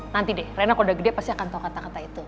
nanti deh rena kalau udah gede pasti akan tau kata kata itu